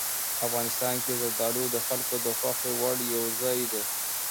افغانستان کې زردالو د خلکو د خوښې وړ یو ځای دی.